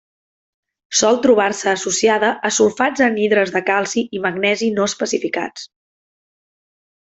Sol trobar-se associada a sulfats anhidres de calci i magnesi no especificats.